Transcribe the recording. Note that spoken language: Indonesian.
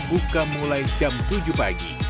buka mulai jam tujuh pagi